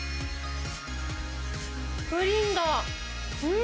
プリンだ。